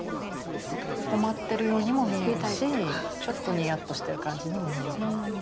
困ってるようにも見えるしちょっとニヤッとしてる感じにも見える。